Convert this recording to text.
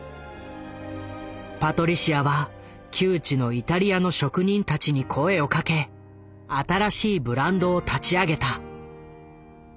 パトリシアは旧知のイタリアの職人たちに声をかけ新しいブランドを立ち上げた。